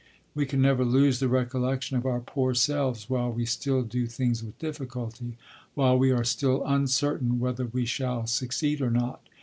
"We can never lose the recollection of our poor selves while we still do things with difficulty, while we are still uncertain whether we shall succeed or not.